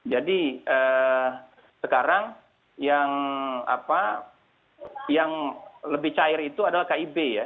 jadi sekarang yang lebih cair itu adalah kib ya